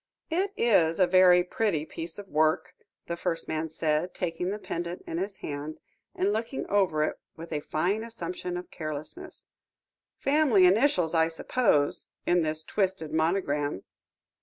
"It is a very pretty piece of work," the first man said, taking the pendant in his hand, and looking over it with a fine assumption of carelessness; "family initials, I suppose, in this twisted monogram?"